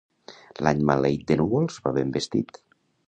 L'any maleït de núvols va ben vestit.